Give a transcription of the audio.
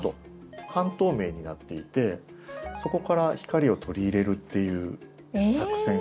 半透明になっていてそこから光を取り入れるっていう作戦を。